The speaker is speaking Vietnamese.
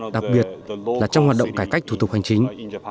đặc biệt là trong hoạt động cải cách thủ tục hành chính